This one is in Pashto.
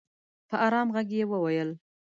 په ارام ږغ یې وویل